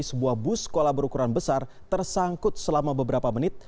sebuah bus sekolah berukuran besar tersangkut selama beberapa menit